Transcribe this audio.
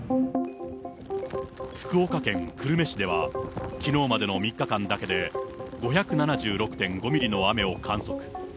福岡県久留米市では、きのうまでの３日間だけで５７６．５ミリの雨を観測。